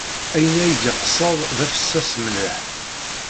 Ayen ay d-yeqsed d afessas mliḥ.